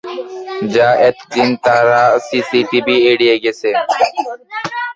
যা এতদিন তারা সিসিটিভি এড়িয়ে গেছে।